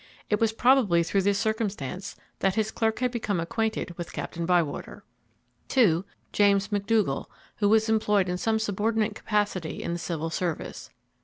It was probably through this circumstance that his clerk had become acquainted with Captain Bywater. 2. James McDougall, who was employed in some subordinate capacity in the Civil Service.